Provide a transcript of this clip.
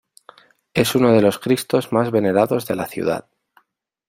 Es uno de los Cristos más venerados de la ciudad.